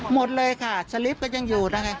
หมดเลยค่ะสลิปก็ยังอยู่นะคะ